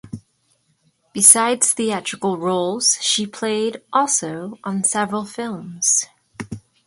Besides theatrical roles she played also on several films.